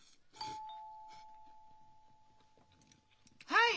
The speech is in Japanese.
はい！